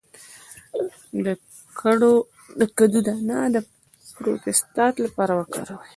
د کدو دانه د پروستات لپاره وکاروئ